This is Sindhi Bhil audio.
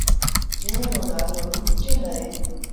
جݩهݩ رو نآلو روپچند اهي۔